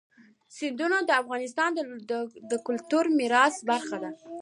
سیندونه د افغانستان د کلتوري میراث برخه ده.